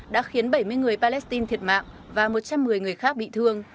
đã khiến bảy mươi người palestine thiệt mạng và một trăm một mươi người khác bị thương